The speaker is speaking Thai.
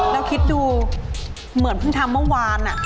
แล้วคิดดูเหมือนเพิ่งทำเมื่อวาน